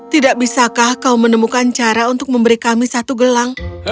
tidak bisakah kau menemukan cara untuk memberi kami satu gelang